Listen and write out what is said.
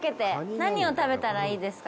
何を食べたらいいですか？